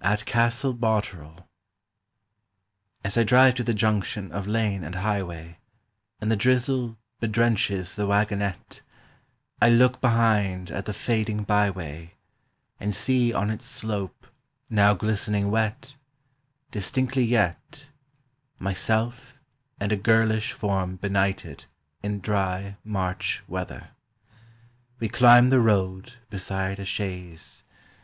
AT CASTLE BOTEREL As I drive to the junction of lane and highway, And the drizzle bedrenches the waggonette, I look behind at the fading byway, And see on its slope, now glistening wet, Distinctly yet Myself and a girlish form benighted In dry March weather. We climb the road Beside a chaise.